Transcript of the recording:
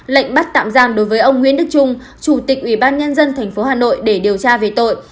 lệnh bắt tạm giam đối với ông nguyễn đức trung chủ tịch ủy ban nhân dân tp hà nội để điều tra về tội